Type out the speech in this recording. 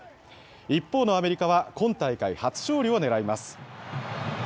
一方のアメリカは今大会初勝利を狙います。